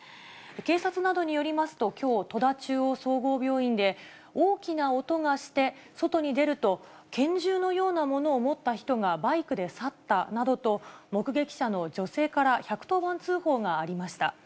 警察などによりますと、きょう、戸田中央総合病院で大きな音がして、外に出ると、拳銃のようなものを持った人がバイクで去ったなどと、目撃者の女性から１１０番通報がありました。